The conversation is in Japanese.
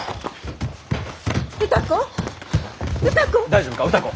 大丈夫か？